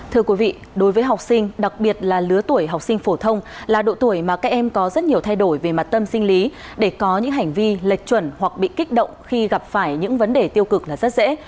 thưa quý vị đối với học sinh đặc biệt là lứa tuổi học sinh phổ thông là độ tuổi mà các em có rất nhiều thay đổi về mặt tâm sinh lý để có những hành vi lệch chuẩn hoặc bị kích động khi gặp phải những vấn đề tiêu cực là rất dễ